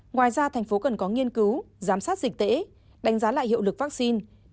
ngoài ra tp hcm cần có nghiên cứu giám sát dịch tễ đánh giá lại hiệu lực vaccine